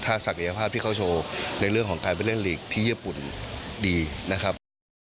ถ้าศักยภาพที่เขาโชว์ในเรื่องของการไปเล่นลีกที่ญี่ปุ่นดีนะครับ